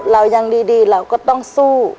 เรายังดีเราก็ต้องสู้